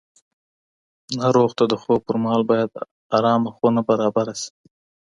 ناروغ ته د خوب پر مهال باید ارامه خونه برابره شي.